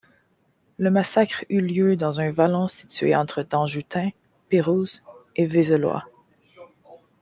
Le massacre eut lieu dans un vallon situé entre Danjoutin, Pérouse et Vézelois.